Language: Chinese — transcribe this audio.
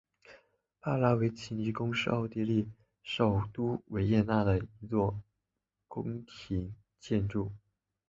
帕拉维奇尼宫是奥地利首都维也纳的一座宫殿建筑。